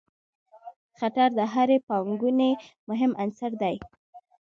خطر د هرې پانګونې مهم عنصر دی.